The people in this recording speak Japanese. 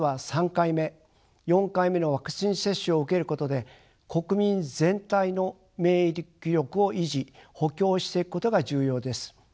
３回目４回目のワクチン接種を受けることで国民全体の免疫力を維持・補強していくことが重要です。